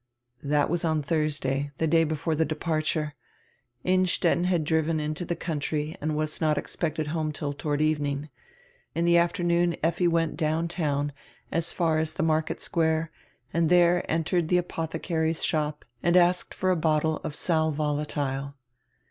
That was on Thursday, tire day before tire departure. Innstetten had driven into tire country and was not expected home till toward evening. In tire afternoon Lffi went down town, as far as the nrarket square, and there entered tire apothecary's shop and asked for a bottle of sal volatile.